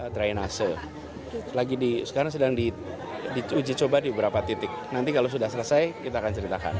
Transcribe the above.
terima kasih sekarang sedang diuji coba di beberapa titik nanti kalau sudah selesai kita akan ceritakan